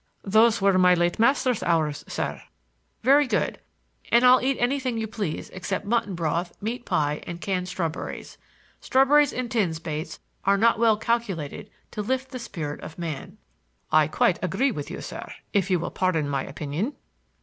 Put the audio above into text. "Those were my late master's hours, sir." "Very good. And I'll eat anything you please, except mutton broth, meat pie and canned strawberries. Strawberries in tins, Bates, are not well calculated to lift the spirit of man." "I quite agree with you, sir, if you will pardon my opinion."